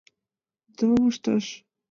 Ынде мом ышташ?»